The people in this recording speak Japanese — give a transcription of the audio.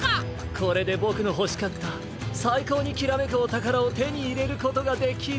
これでボクのほしかったさいこうにきらめくおたからをてにいれることができる！